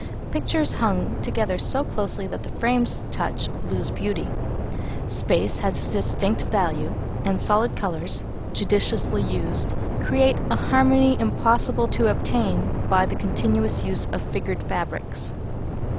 Pictures hung together so closely that the frames touch lose beauty. Space has distinct value, and solid colours, judiciously used, create a harmony impossible to obtain by the continuous use of figured fabrics.